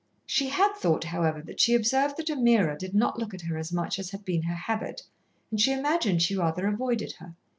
She had thought, however, that she observed that Ameerah did not look at her as much as had been her habit, and she imagined she rather avoided her.